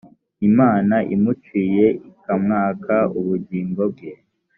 imana imuciye ikamwaka ubugingo bwe